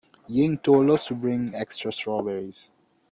Ying told us to bring extra strawberries.